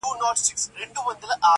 څنگه ساز دی څه مستې ده، څه شراب دي_